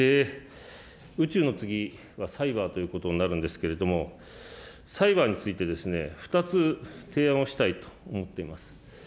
宇宙の次はサイバーということになるんですけれども、サイバーについて、２つ提案をしたいと思っています。